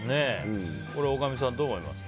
これ、大神さんどう思いますか？